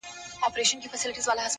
په چل ول کي بې جوړې لکه شیطان وو -